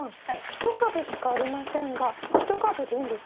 １株しかありませんが１株でいいんですか？